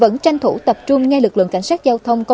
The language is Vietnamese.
là những người già lớn tuổi